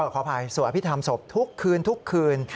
ขออภัยสวดอภิษฐรรมศพทุกคืน